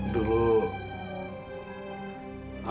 dulu aku mau kasih kemu